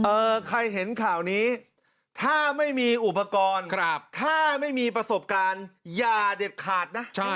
ใครเห็นข่าวนี้ถ้าไม่มีอุปกรณ์ถ้าไม่มีประสบการณ์อย่าเด็ดขาดนะ